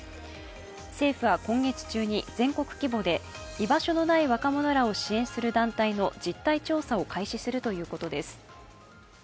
政府は今月中に、全国規模で居場所のない若者らを支援する団体の実態調査を開始するということです。